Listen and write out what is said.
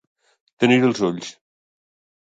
Tenir-hi els ulls.